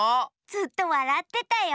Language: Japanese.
ずっとわらってたよ。